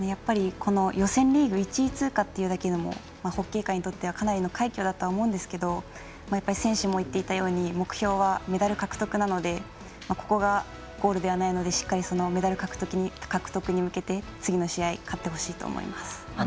子の予選リーグ１位通過というだけでもホッケー界にとってはかなりの快挙だと思うんですがやっぱり選手も言っていたように目標はメダル獲得なのでここがゴールではないのでしっかりそのメダル獲得に向けて次の試合勝ってほしいと思います。